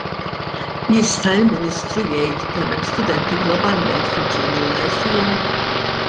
Jista' l-Ministru jgħid kemm hemm studenti globalment fil-Junior Lyceum?